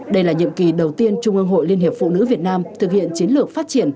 đây là nhiệm kỳ đầu tiên trung ương hội liên hiệp phụ nữ việt nam thực hiện chiến lược phát triển